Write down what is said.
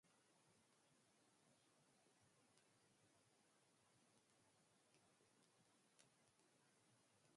Regan is one of few mutants that retained their superhuman powers after M-Day.